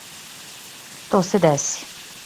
То се деси.